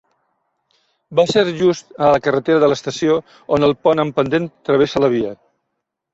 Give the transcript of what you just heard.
Va ser just a la carretera de l'estació, on el pont amb pendent travessa la via.